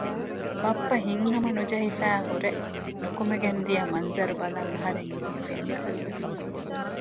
ބައްޕަ ހިތްހަމަނުޖެހިފައިހުރެ ނުކުމެގެންދިޔަ މަންޒަރު ބަލަން އަހަރެން އިނީ ފެންކަޅިވެފަ